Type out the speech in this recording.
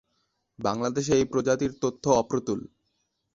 বাংলাদেশে এই প্রজাতির তথ্য অপ্রতুল।